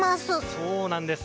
そうなんです。